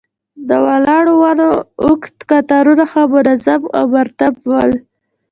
د ولاړو ونو اوږد قطارونه ښه منظم او مرتب ول.